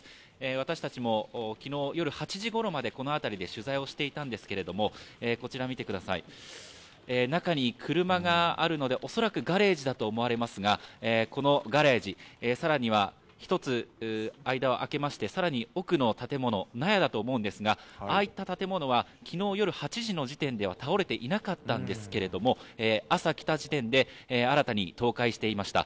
私たちもきのう夜８時ごろまで、この辺りで取材をしていたんですけれども、こちら見てください、中に車があるので、恐らくガレージだと思われますが、このガレージ、さらには１つ間をあけまして、さらに奥の建物、納屋だと思うんですが、ああいった建物はきのう夜８時の時点では倒れていなかったんですけれども、朝来た時点で新たに倒壊していました。